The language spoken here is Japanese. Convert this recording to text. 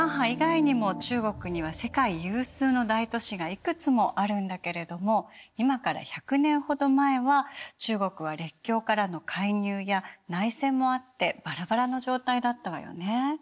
以外にも中国には世界有数の大都市がいくつもあるんだけれども今から１００年ほど前は中国は列強からの介入や内戦もあってバラバラの状態だったわよね。